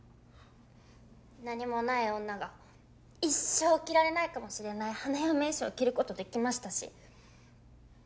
何もない女が一生着られないかもしれない花嫁衣装着ることできましたし。